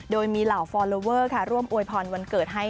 โดยมีเหล่าฟอลลอเวอร์ค่ะร่วมอวยพรวันเกิดให้